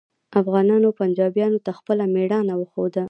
افغانانو پنجابیانو ته خپله میړانه وښوده